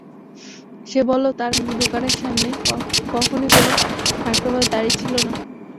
সে বলল, তার দোকানের সামনে কখনোই কোনো মাইক্রোবাস দাঁড়িয়ে ছিল না!